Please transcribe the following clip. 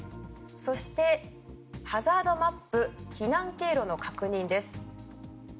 そして、ハザードマップ避難経路の確認です。